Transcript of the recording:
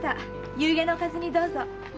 夕餉のおかずにどうぞ。